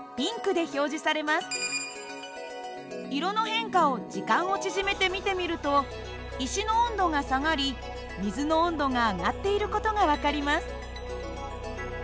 色の変化を時間を縮めて見てみると石の温度が下がり水の温度が上がっている事が分かります。